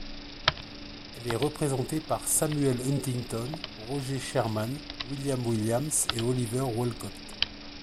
Elle est représentée par Samuel Huntington, Roger Sherman, William Williams, et Oliver Wolcott.